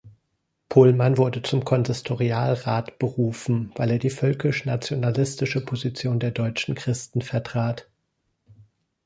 Pohlmann wurde zum Konsistorialrat berufen, weil er die völkisch-nationalistische Position der Deutschen Christen vertrat.